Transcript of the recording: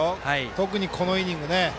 特に、このイニングね。